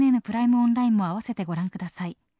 オンラインも併せてご覧ください。